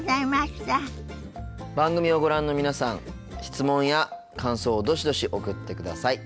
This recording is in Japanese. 番組をご覧の皆さん質問や感想をどしどし送ってください。